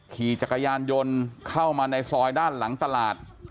ขี่จักรยานยนต์เข้ามาในซอยด้านหลังตลาด